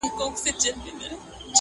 چي هر څوک مي کړي مېلمه ورته تیار یم!.